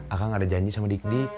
akang ada janji sama dik dik